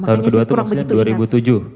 tahun ke dua itu maksudnya dua ribu tujuh